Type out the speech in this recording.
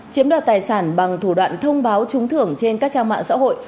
chiếm đoạt tài sản bằng thủ đoạn thông báo trúng thưởng trên các trang mạng xã hội